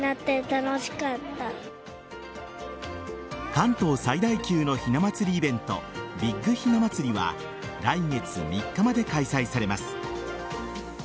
関東最大級のひな祭りイベントビッグひな祭りは来月３日まで開催されます。